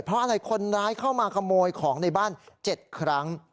เพราะอะไรคนร้ายเข้ามาขโมยของในบ้าน๗ครั้ง